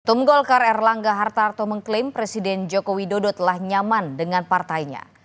tum golkar erlangga hartarto mengklaim presiden joko widodo telah nyaman dengan partainya